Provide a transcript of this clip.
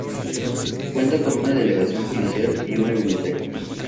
Cuenta con una delegación policial y una biblioteca.